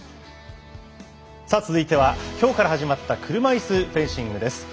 続いては、きょうから始まった車いすフェンシングです。